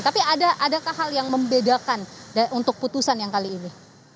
tapi adakah hal yang membedakan untuk putusan yang kali ini